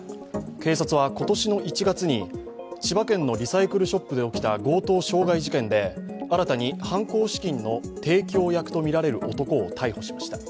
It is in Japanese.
警察は今年の１月に千葉県のリサイクルショップで起きた強盗傷害事件で新たに犯行資金の提供役とみられる男を逮捕しました。